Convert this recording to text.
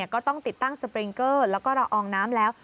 ก็ต้องติดตั้งสปริงเกอร์แล้วก็ละอองน้ำแล้ว